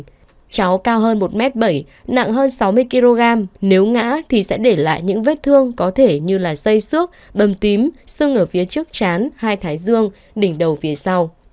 cháu cao hơn một m bảy nặng hơn sáu mươi kg nếu ngã thì sẽ để lại những vết thương có thể như dây xước bầm tím sưng ở phía trước chán hai thái dương đỉnh đầu phía sau